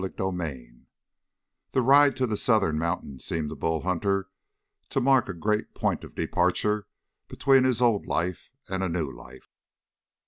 CHAPTER 19 That ride to the southern mountains seemed to Bull Hunter to mark a great point of departure between his old life and a new life.